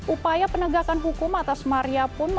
upaya penegakan hukum atas maria pun